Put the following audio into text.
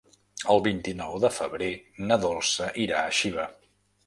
El vint-i-nou de febrer na Dolça irà a Xiva.